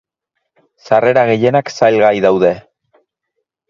Sarrera gehienak salgai daude.